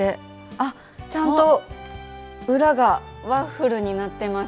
あっちゃんと裏がワッフルになってます。